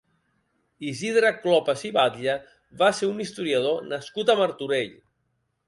Isidre Clopas i Batlle va ser un historiador nascut a Martorell.